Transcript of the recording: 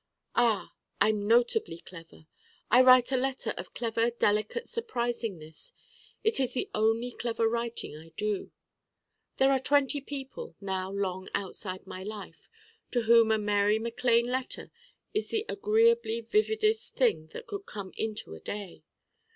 Ah, I'm notably Clever! I write a letter of Clever delicate surprisingness it is the only Clever writing I do. There are twenty people, now long outside my life, to whom a Mary Mac Lane letter is the agreeably vividest thing that could come into a day.